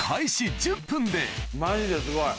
マジですごい。